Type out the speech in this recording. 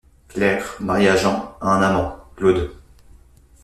Claire, mariée à Jean, a un amant, Claude.